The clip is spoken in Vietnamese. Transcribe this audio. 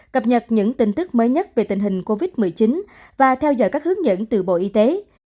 cập nhật những tin tức mới nhất về tình hình covid một mươi chín và theo dõi các hướng dẫn từ bộ y tế